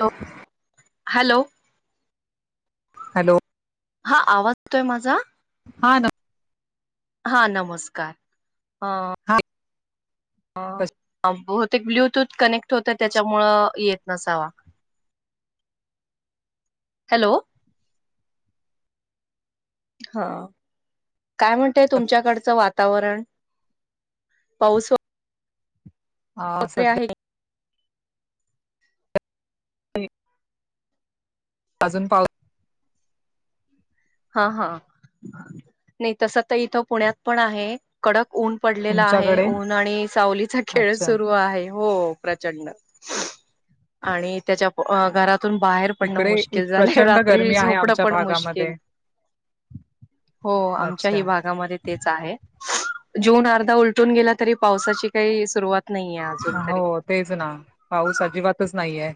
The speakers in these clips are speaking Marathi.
हॅलो हॅलो हॅलो हा आवाज तोय माझा हा ना. हा, नमस्कार हा कश ह बत [unintelligible] ते ब्लुटूथ कनेक्ट होतं, त्याच्यामुळ येत नसावा. हॅलो? हा, काय म्हणतेय तुमच्याकडचं वातावरण? पाऊस- हा वगैरे सध्या- आहे अजून पाव- हा, हा, नाही तस तर इथं पुण्यात पण आहे- कडक ऊन पडलेला आहे, तुमच्याकडे ऊन आणि सावलीचा खेळ अच्छा सुरू आहे, हो. प्रचंड आणि त्याच्या घरात- पण बाहेर पडणं इकडे इ- मुश्किल झालं, प्रचंड रात्री गरमी आहे झोपणं आमच्या पण मुश्किल. भागामध्ये हो, अच्छा आमच्याही भागामध्ये- तेच आहे, जून अर्धा उलटून गेला तरी पावसाची काही सुरवात- हो, तेच ना पाऊस अजिबातच नाहीये.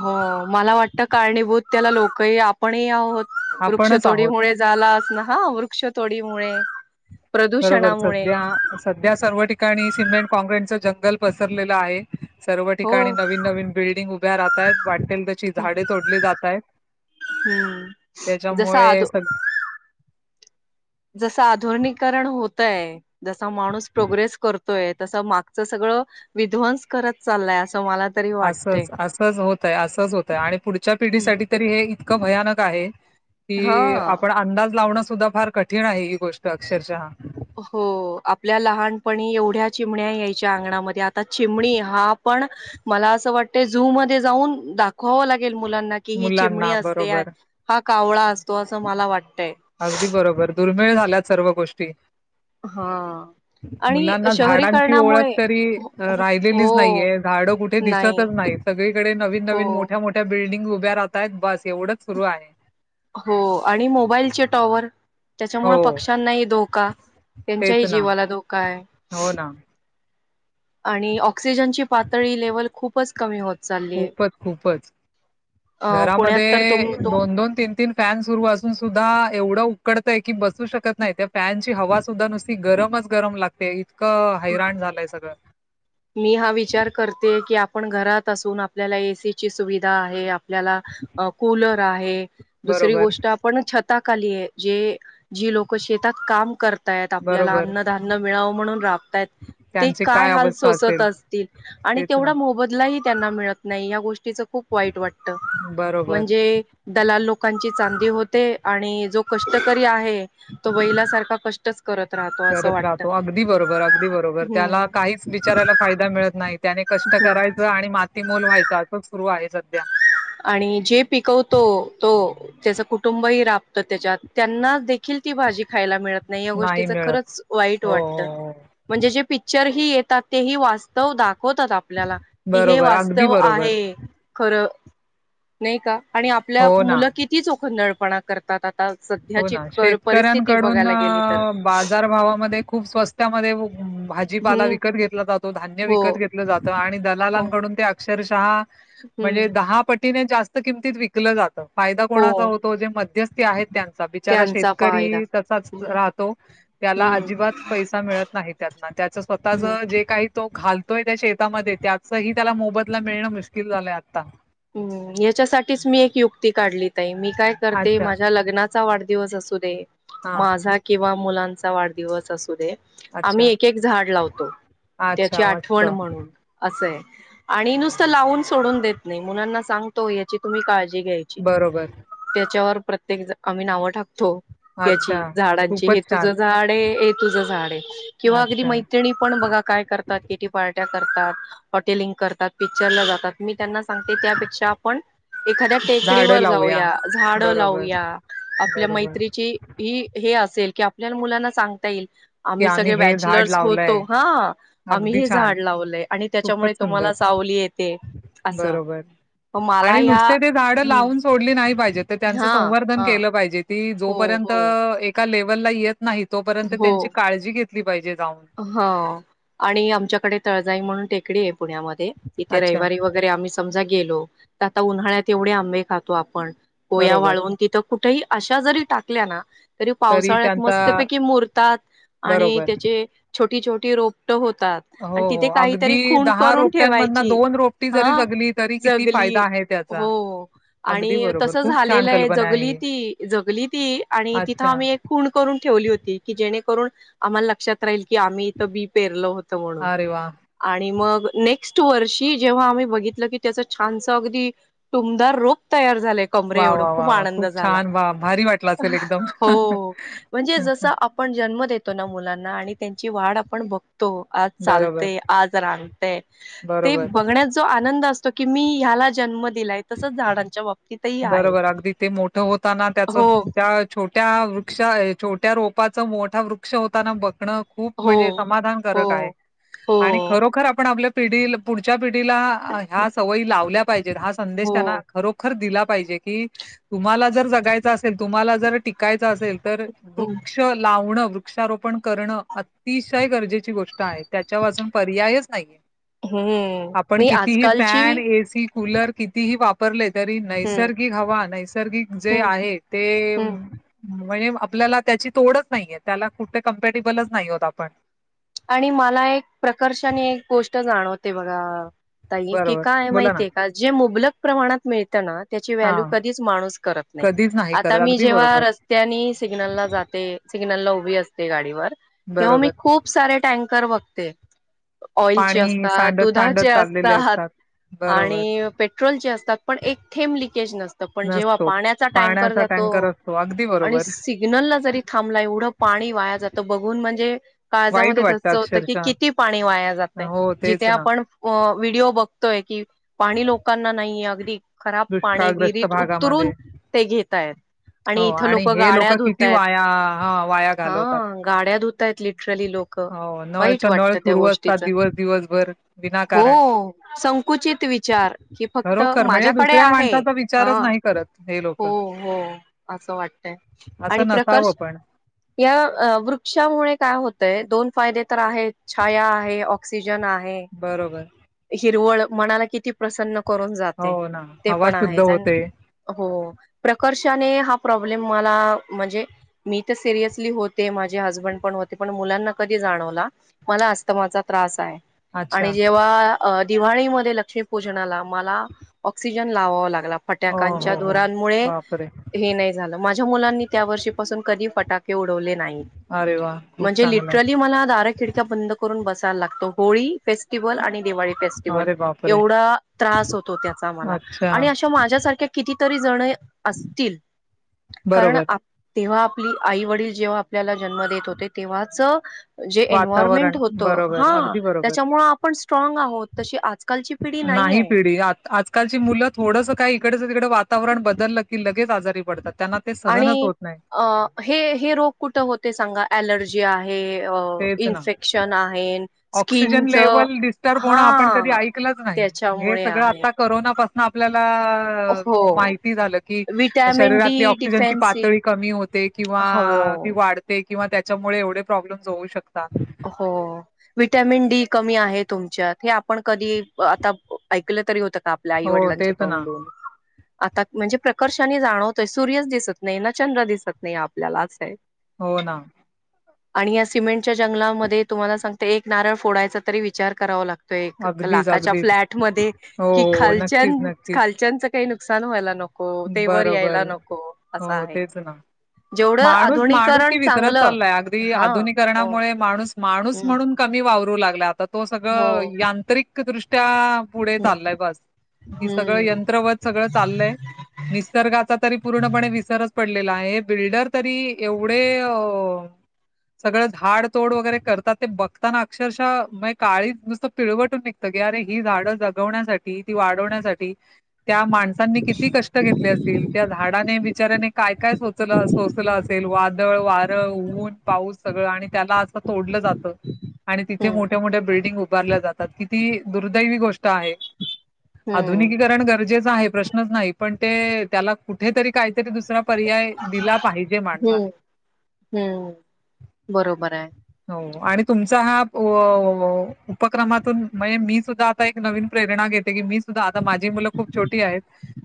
हो, मला वाटतं, कारणीभूत त्याला लोकही आपणही आहोत, आपणच आहोत वृक्षतोडीमुळे- झाला असल, हा, ‌ वृक्षतोडीमुळे, बरोबर प्रदूषणामुळे- सध्या सध्या सर्व ठिकाणी सिमेंट कॉँक्ररीटचं जंगल पसरलेलं आहे. सर्व हो ठिकाणी नवीन, नवीन बिल्डिंग उभ्या राहताहेत वाटेल त- से झाडे तोडली जात आहेत, हम्म जसं त्याच्यामुळे आधो स- जसं आधुनीकरण होतय- जसा माणूस प्रोग्रेस करतोय, तस मागचं सगळं- विध्वंस करत चाललाय, असं मला- तरी वाटतय. असंच, असंच होतय, असंच होतय आणि पुढच्या पिढीसाठी- तरी, हे इतकं भयानक आहे की, हा आपण अंदाज लावणं सुद्धा फार कठीण आहे ही गोष्ट. अक्षरशः. हो, आपल्या लहानपणी एवढ्या चिमण्या यायच्या अंगणामध्ये आता चिमणी हा पण- मला असं वाटतं, झू मध्ये जाऊन दाखवावं लागेल मुलांना कि, ही चिमणी मुलांना असते- बरोबर हा कावळा असतो, असं मला वाटतय. अगदी बरोबर, दुर्मिळ झाल्यात सर्व गोष्टी. हा. आणि मुलांना झाडांची ओळख शहरीकरणामुळे तरी हो हो राहिलेलीच हो, नाहीये, झाडं कुठे नाही दिसतच नाहीत. सगळीकडे नवीन हो नवीन, मोठ्या मोठ्या बिल्डिंग उभ्या राहत आहेत, बस एवढंच सुरू आहे. हो आणि मोबाईलचे टॉवर- त्याच्यामुळे हो पक्ष्यांनाही धोका, तेच त्यांच्याही ना जीवाला धोका आहे. हो ना आणि ऑक्सिजनची पातळी लेव्हल खूपच कमी होत- चालली आहे खूपच, खूपच, अ पुण्यात तर घरामध्ये तुम तुम दोन दोन, तीन तीन- फॅन सुरू असून सुद्धा एवढं उकडतय की, बसू शकत नाही त्या- फॅनची हवा सुद्धा नुसती गरमच गरम लागते, इतकं हैराण झालंय सगळं. मी हा विचार करते की, आपण घरात असून आपल्याला एसीची सुविधा आहे, आपल्याला- कूलर आहे, दुसरी बरोबर, गोष्ट आप- पण छता खाली आहे, जे जी लोक शेतात काम करत- तायत, आपल्याला बरोबर. अन्नधान्य मिळावं म्हणून राबतायत, ते त्यांची काय हाल- अवस्था सोसत असेल असतील आणि तेच तेवढा ना. मोबदलाही त्यांना मिळत नाही, या गोष्टीच- खूप वाईट वाटत, बरोबर. म्हणजे- दलाल लोकांची चांदी होते आणि जो कष्टकरी आहे. तो बैलासारखा कष्टच करत राहत करत राहतो अगदी बरोबर अगदी बरोबर त्याला हम्म काहीच बीचारायला फायदा मिळत नाही. त्याने कष्ट हम्म करायचं आणि माती मोल व्हायचं असंच सुरू आहे सध्या. आणि जे पिकवतो तो त्याच कुटुंबही राबत त्याच्यात त्यांनाच दे अख ती भाजी खायला मिळत नाही या गोष्टीच खरंच वाईट हो, वाटत. हो, हो. म्हणजे जे पिक्चर ही येतात ते ही वास्तव दाखवतात आप आपल्याला कि हे बरोबर, अगदी वास्तव बरोबर. आहे खरं नाही का, आणि आपल्या हो ना, मुलं किती चोखंदळपणा करतात आता. हो सध्याची ना कर परिस्थिती शेतकऱ्यांकडून बघायला गेली तर बाजारभावामध्ये खूप स्वस्त भाजीपाला हम्म विकत घेतला जातो धान्य हो विकत घेतलं जातं आणि हो दलांलांनकडून ते अक्षरशः हम्म म्हणजे दहा पटीने जास्त किमतीत विकलं जातं फायदा कोणाचा हो तो जे मध्यस्थी आहेत त्यांचा बिचारा त्यांचा फायदा शेतकरी तसाच हम्म राहतो. त्याला हम्म अजिबात पैसा मिळत नाही त्यातना त्याच स्वतःच हम्म जे काही तो घाल तोय त्याच्या शेतामध्ये त्याच ह त्याला मोबदला मिळणं मुश्किल झालंय आता. हम्म याच्यासाठीच मी एक युक्ती काढली ताई आहे मी काय करते अच्छा माझ्या लग्नात वाढदिवस असू दे हा माझा किंवा मुलांचा वाढदिवस असू दे आम्ही अच्छा एक- एक झाड लावतो त्याची अच्छा मस्त आठवण म्हणून असंय आणि नुसतं लावून सोडून देत नाही मुलांना सांगतो याची तुम्ही काळजी घ्यायची. बरोबर! त्याच्यावर प्रत्येक आम्ही नावं टाकतो. याची अच्छा झाडांची हे खूपच तुझ छान झाड ये हे तुझं झाड ये. किंवा अगदी अच्छा मैत्रिणी पण बघा काय करतात? किती पार्ट्या करतात हॉटेलिंग करतात पिक्चरला जातात मी त्यांना सांगते त्यापेक्षा आपण एखाद्या झाडं टेकडीवर लावूया जाऊया झाडं बरोबर लावूया आपल्या बरोबर मैत्रीची ही हे असेल की आपल्या मुलांना सांगता येईल की आम्ही सगळे हे झाड बॅचलर्स होतो लावलंय हा, आम्ही अगदी हे छान झाड लावलय. आणि त्याच्यामुळे खूपच सुंदर तुम्हाला सावली येते. असं बरोबर, मला आणि ह्या नुसते ते झाड हम्म लावून सोडली नाही पाहिजे तर त्यांच हा संवर्धन हा केलं पाहिजे ती हो जोपर्यंत हो एका लेव्हलला येत नाही तोपर्यंत त्यांची काळजी घेतली पाहिजे जाऊन. ह आणि आमच्याकडे तळजाई म्हणून टेकडी आहे पुण्यामध्ये तिथे अच्छा, रविवारी वगैर समजा गेलो आता उन्हाळतवढे आबे खातो आपण कोया बरोबर. वळवून तिथं कुठेही अशा जरी टाकल्या ना तरी पावसाळ्यात मस्तपैकी मोरतात आणि बरोबर. त्याचे छोटी छोटी रोपट होतात. हो, आणि हो. तिथे काहीतरी अगदी खुन करून रोपट्यांमधनं ठेवायची रोपटी जरी हा जगली, तरी किती जगली फायदा आहे त्याचा. हो अगदी आणि बरोबर. तसं झा खूप छान झालेलं आहे कल्पना जगली ही. ती जगली ती आणि तिथं अच्छा. आम्ही एक खून करून ठेवली होती की जेणेकरून आम्हाला लक्षात राहील. की आम्ही इथं बी पेरलो होतं म्हणून. अरे वाह! आणि मग नेक्स्ट वर्षी जेव्हा आम्ही बघितलं की त्याच छानस अगदी तुमदार रोप तयार झालय. कमरे वाह, एवढ वाह, खूप वाह, वाह! आनंद झाला छान. वाह! भारी वाटलं असेल एकदम. हो म्हणजे जस आपण जन्म देतो ना मुलांना आणि त्यांची वाढ आपण बघ तो आज बरोबर, चालते आज रांगते ते बरोबर. बघण्याच. आनंद असतो की मी ह्याला जन्म दिलाय. तसच झाडांच्या बाबतीतही आहे. बरोबर अगदी ते मोठं होताना त्याच हो त्या. छोट्या वृक्ष छोट्या रोपाच मोठा वृक्ष होताना बघणं. खूप हो म्हणजे हो समाधानकारक आहे हो आणि खरोखर आपण आपलं. पढी पुढच्या पिढीला ह्या सवयी लावल्या पाहिजेत हा संदेश हो त्यांना खरो''--'' र दिला पाहिजे कि तुम्हाला जर जगायच असेल तुम्हाला जर टिकायचं असेल. तर वृक्ष. हम्म वृक्ष लावणं वृक्षारोपण करणं अतिशय गरजेची गोष्ट आहे त्याच्यापासून पर्यायच नाहीय. हम्म आपण नाही कितीही आजकालची फॅन एसी कूलर कितीही वाप''--'' वापरले तरी हम्म नैसर्गिक हवा नैसर्गिक जे हं, आहे ते. हं. हावळे आपल्याला त्याची तोडच नाहीये त्याला कुठे कम्पेटेबलच नाही होत आपण. आणि मला एक प्रकर्षने एक गोष्ट जाणवते बघा ताई की बरोबर काय बोला ना माहितीये. अ जे मुबलक प्रमाणात मिळतना. त्याची हा व्हॅल्यू कधीच माणूस करत नाही कधीच आता करत मी अगदी जेव्हा बरोबर. र''--'' त्यांनी सिग्नलला जाते सिग्नल ला उभी असते गाडीवर तेव्हा मी बरोबर खूप. प सारे टँकर वगते. ऑइलचे पाणी असतात सांडत सांडत दुधाचे चाललेले असतात बरोबर आणि. पेट्रोल जे असतात पण एक थेब लिकेज नसत. त पण जेव्हा नसतो पाण्याचा टँकर पाण्याचा जातो टँकर असतो अगदी आणि बरोबर सी''--'' सिग्नल ला जरी थांबला एवढं पाणी वाया जातं बघून म्हणजे. वाईट काळजामध्ये वाटतं धस्स होतं की अक्षरशः किती पाणी वाया जातय हो जिथे तेच ना आपण. व व्हिडिओ बघतोय कि पाणी लोकांना नाहीये अगदी. खराब पाणी दुष्काळग्रस्त विहिरीत उतरून भागामध्ये ते घेतायत. आणि हो इथं लोक हे गाड्या किती धुतयत वाया हा वाया हा घालवतात. गाड्या धुतयत लिटरली. ती लोक हो वाईट नळच्या नळ वाटत त्या सुरू असतात गोष्टीच दिवस दिवसभर हो. विनाकारण संकुचित विचार की फक्त खरोखर म्हणजे माझ्याकडे. हे दुसऱ्या आहे माणसाचा हा विचारच नाही करत हे लोक हो असं वाटतय. आणि असं प्रकर्ष नसावं पण. या अ वृक्षामुळे काय होत. तय दोन फायदे तर आहेत छाया आहे ऑक्सिजन आहे. बरोबर हिरवळ मनाला किती प्रसन्न करून जाते हो ना ते हवा पण शुद्ध आहेच. होते हो प्रकर्षाने हा प्रॉब्लेम मला म्हणजे. मी तर सिरियसली होते माझे हसबंड पण होते. पण मुलांना कधी जाणवला मला अस्तमाचा त्रास आहे अच्छा आणि जेव्हा. अ दिवाळीमध्ये लक्ष्मीपूजनाला मला ऑक्सिजन लावावा लागला. हो फटाकांच्या हो हो धुरांमुळे. बापरे हे नाही झालं माझ्या मुलांनी त्या वर्षीपासून कधी फटाके उडवले नाही. अरे वा. खूप म्हणजे चांगलंय लिटरली मला दार खिडक्या बंद करून बसायला लागतो होळी फेस''--'' फेस्टिवल आणि दिवाळी फेस्टिवल. अरे बापरे एवढा त्रास होतो त्याचा मला अच्छा आणि अशा माझ्यासारख्या. कितीतरी जण असतील कारण बरोबर आप''--'' तेव्हा आपली आई वडील जेव्हा आपल्याला जन्म देत होते तेव्हाच. जे एन्वयरमेंट वातावरण होत बरोबर हा अगदी बरोबर त्याच्यामुळे आपण स्ट्रांग आहोत तशी आज. नाही पिढी आत आज कालची मुलं थोडंस काय इकडच तिकडें वातावरण की लगेच आजारी पडतात, त्यांना ते सहनच आणि होत नाही अ हे हे रोग कुठे होते सांगा? अलर्जी जे आहे अ तेच ना इन्फेक्शन आहे स्किनचं‌ तर पुन्हा आपण कधी ऐकलंच नाही, हे त्याच्यामुळे सगळं आहे. आता करोना पासनं आपल्याला अ हो माहिती झालं की विटॅमिन शरीरातली डी ऑक्सिजनची डिफेन्सी पातळी कमी होते किंवा हो ती वाढ ते किंवा त्याच्यामुळे एवढे प्रॉब्लेमज होऊ शकतात. हो विटॅमिन डी कमी आहे तुमच्यात हे आपण कधी आता ऐकलं तरी होतं का? आपल्या हो आईवडलांच्या तेच ना. तोंडून. आता म्हणजे प्रकर्षणी जाणवतंय, सूर्यच दिसत नाही ना चंद्र दिसत नाही आपल्याला‌‌ असंय. हो ना आणि या सिमेंटच्या जंगलामध्ये, तुम्हाला सांगते एक नारळ फोडायचा तरी विचार करावा लाग त एक अगदीच लाखच्या अगदीच. फ्लॅट मध्ये हो कि हो खालच्या नक्कीच नक्कीच. खालच्यानचं काही नुकसान व्हायला नक बरोबर, हो आहे. तेच ना. जेवढं माणूस आधुनिकरण माणूसकी विसरत चांगलं चाललाय, अगदी हा हो आधुनिकरणामुळे माणूस माणूस हम्म म्हणून कमी वावरू लागलाय आता, तो हो सगळं यांत्रिकदृष्ट्या पुढे हम्म चाललाय बस, कि सगळं हम्म यंत्रवध सगळं चाललंय. निसर्गाचा तरी पूर्णपणे विसरच पडलेला आहे, हे बिल्डर तरी एवढे अ सगळं झाड तोड वगैरे करतात ते बघताना अक्षरशः मय काळीज नुसतं पिळवटून निघ त की अरे ही झाड जगवण्यासाठी ती वाढवण्यासाठी त्या माणसांनी किती कष् त घेतले असतील, त्या झाडाने बिचाऱ्याने काय काय सोचलं सोसलं असेल वादळ वा अ ऊन पाऊ सगळं आणि त्याला असं तोडलं जातं, आणि तिथे हम्म मोठ्या मोठ्या बिल्डिंग उभारल्या जात तात, किती दुर्दैवी गोष्ट आहे, हम्म आधुनिकीकरण गरजेचं आहे प्रश्नच नाही पण ते त्याला कुठेतरी काहीतरी दुसरा पर्याय दिला पाहिजे माणसाने. हम्म हम्म, बरोबर आहे. हो, आणि तुमचा हा अ उपक्रमातून म्हणजे मी सुद्धा एक नवीन प्रेरणा घेते की मी सुद्धा आता माझी मुलं खूप छोटी आहेत,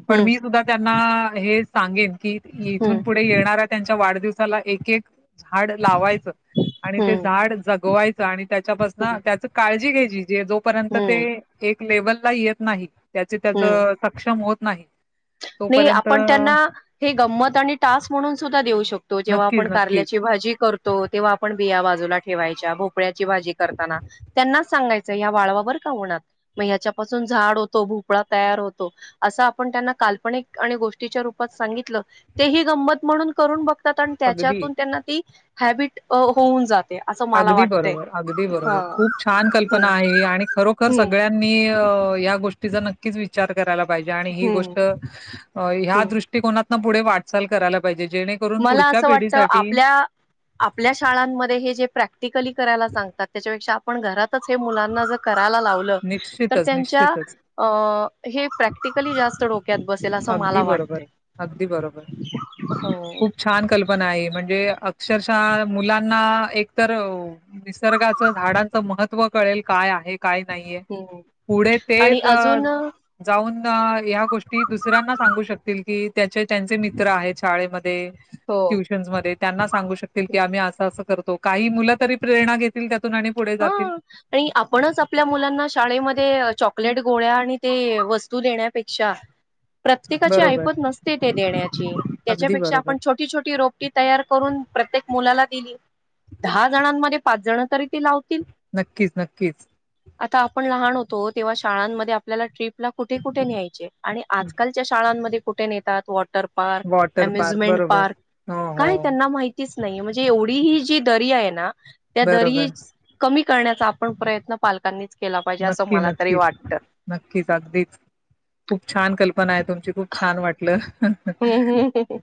पण हम्म मी सुद्धा त्यांना हेच सांगेन की, इथून हम्म पुढे येणाऱ्या त्यांच्या वाढदिवसाला एक एक झाड लावायचं. आणि ते हम्म झाड जगवायचं आणि त्याच्यापासनं हम्म त्याचं काळजी घ्यायची जे जोपर्यंत ते हम्म एक लेवल ला येत नाही, त्याचे हम्म त्याचं सक्षम होत नाही नाही तोपर्यंत आपण त्यांना हे गंमत आणि टास्क म्हणून सुद्धा देऊ शकतो, जेव्हा आपण नक्कीच नक्कीच कारल्याची भाजी कर तो तेव्हा आपण बिया बाजूला ठेवायच्या, भोपळ्याची भाजी करताना. त्यांनाच सांगायचं या वाळवा बरं का उन्हात. मग ह्याच्यापासून झाड होतो भोपळा तयार होतो, असं आपण त्यांना काल्पनिक आणि गोष्टीच्या रूपात सांगितलं, ते ही गंमत म्हणून करून बघ तात आणि अगदी त्याच्यातून त्यांना ती हॅबिट अ होऊन जात अगदी बरोबर अगदी बरोबर खूप छान हम्म कल्पना आहे ही आणि खरोखर हम्म सगळ्या नि अ या गोष्टीचा नक्कीच विचार करायला पाहिजे आणि ही हम्म गोष्ट ह्या हम्म दृष्ट टी कोनातनं पुढे वाटचाल करायला पाहिजे जेणे मला असं वाटतं आपल्या आपल्या शाळांमध्ये हे जे प्रॅक्टिकली करायला सांगतात त्याच्यापेक्षा आपण घरातच मुलांना जर करा ला निश्चितच, त्यांच्या निश्चितच. हे प्रॅक्टिकली जास्त डोक् बसेल असं अगदी मला बरोबर, वाटते अगदी बरोबर. हो. खूप छान कल्पना आहे म्हणजे अक्षरशः मुलांना एक तर निसर्गाच झाडांचं महत्त्व कळेल काय आहे. का नाहीये हम्म पुढे आणि तेच अजून हो. जाऊन या गोष्टी. ती दुसऱ्यांना सांगू शकतील की त्याचे त्यांचे मित्र आहेत शाळेमध्ये ट्युशन् मध्ये त्यांना सांगू शकतील की आम्ही असं असं करतो काही मुलं तरी प्रेरणा घेतील त्यातून आणि पुढे जातील. हा. आणि आपणच आपल्या मुलांना शाळेमध्ये चॉकलेट गोळ्या आणि ते वस्तू देण्यापेक्षा प्रत्येकाची बरोबर ऐपत नसते ते देण्याची अगदी त्याच्यापेक्षा बरोबर आपण छोटी छोटी रोप तयार करून प्रत्येक मुलाला दिली दहा जणांमध्ये पाच जण तरी ती लाव नक्कीच नक्कीच. आता आपण लहान होतो तेव्हा शाळांमध्ये आपल्याला ट्रीपला कुठे कुठे न्यायचे. आणि आजकालच्या शाळांमध्ये कुठे नेतात व वॉटर पार्क, वॉटर अम्यमेंट बरोबर पार्क हो हो काय त्यांना माहि च नाही म्हणजे एवढी ही जी दरी आहे ना त्या बरोबर दरी कमी करण्याचा आपण प्रयत्न पालकांनीच केला पाहिजे असं नक्की मला तरी नक्कीच वाटतं नक्कीच अगदीच खूप छान कल्पना आहेत. तुमची खूप छान वाटलं. हम्म्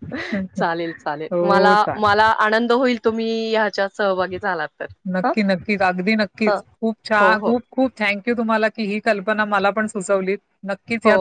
चालेल चालेल मला हो चालेल मला आनंद होईल तुम्ही ह्याच्यात सहभागी झालात. तर ह नक्की नक्कीच अगदी नक्कीच खूप हो छान हो खूप खूप थँक्यू तुम्हाला की ही कल्पना मला पण सुचवली हो नक्कीच.